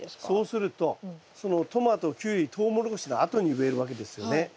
そうするとそのトマトキュウリトウモロコシのあとに植えるわけですよね。